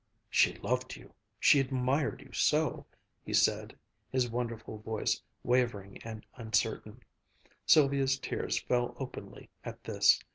"She loved you she admired you so!" he said, his wonderful voice wavering and uncertain. Sylvia's tears fell openly at this.